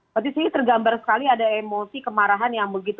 berarti disini tergambar sekali ada emosi kemarahan